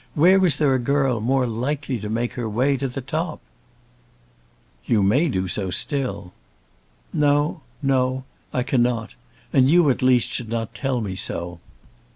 Where was there a girl more likely to make her way to the top?" "You may do so still." "No; no; I cannot. And you at least should not tell me so.